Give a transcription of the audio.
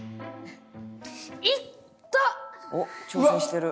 「おっ挑戦してる。